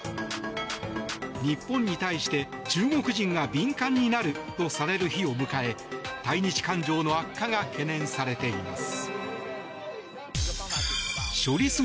日本に対して中国人が敏感になるとされる日を迎え対日感情の悪化が懸念されています。